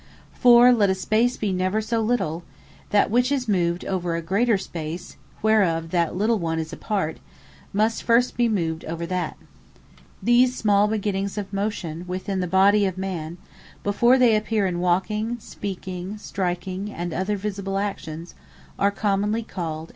For let a space be never so little, that which is moved over a greater space, whereof that little one is part, must first be moved over that. These small beginnings of Motion, within the body of Man, before they appear in walking, speaking, striking, and other visible actions, are commonly called ENDEAVOUR.